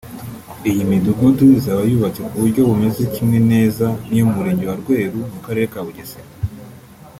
Iyi mudugudu izaba yubatse kuburyo bumeze kimwe neza niyo mu murenge wa Rweru mu karere ka Bugesera